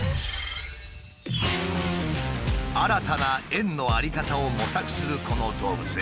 新たな園の在り方を模索するこの動物園。